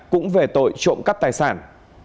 cũng về tội trộm cắp tài sản